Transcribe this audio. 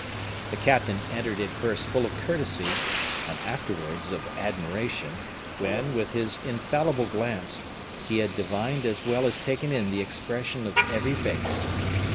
The captain entered at first full of courtesy, and afterwards of admiration, when, with his infallible glance, he had divined as well as taken in the expression of every face.